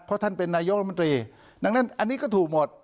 เพราะท่านเป็นนายกรัฐมนตรีดังนั้นอันนี้ก็ถูกหมด